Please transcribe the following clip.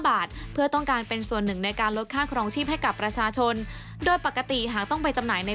บาทเพื่อต้องการเป็นส่วนหนึ่งในการลดค่าครองชีพให้กับประชาชนโดยปกติหากต้องไปจำหน่ายใน